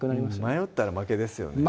迷ったら負けですよね